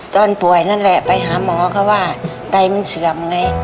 ตอนป่วยนั่นแหละไปหาหมอเขาว่าไตมันเสื่อมไง